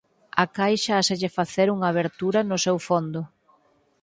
A caixa háselle facer unha abertura no seu fondo.